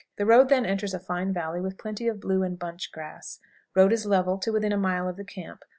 The road then enters a fine valley, with plenty of blue and bunch grass. Road is level to within a mile of the camp.